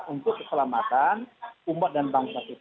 untuk keselamatan umat dan bangsa kita